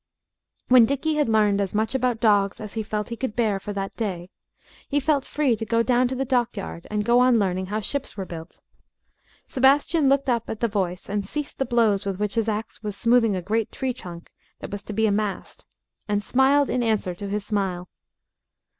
When Dickie had learned as much about dogs as he felt he could bear for that day, he felt free to go down to the dockyard and go on learning how ships were built. Sebastian looked up at the voice and ceased the blows with which his axe was smoothing a great tree trunk that was to be a mast, and smiled in answer to his smile.